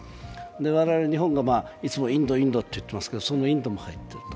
我々日本が、いつもインド、インドと言っていますけど、そのインドも入っていると。